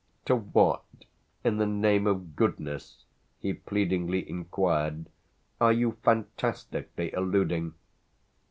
"To what in the name of goodness," he pleadingly inquired, "are you fantastically alluding?"